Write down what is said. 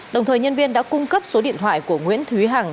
đồng thời nhân viên đã cung cấp số điện thoại của nguyễn thúy hằng